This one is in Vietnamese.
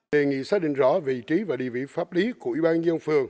đề nghị xác định rõ vị trí và địa vị pháp lý của ủy ban nhân phường